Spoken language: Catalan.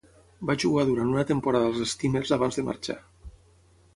Va jugar durant una temporada als Steamers abans de marxar.